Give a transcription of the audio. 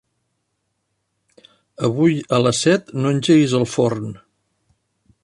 Avui a les set no engeguis el forn.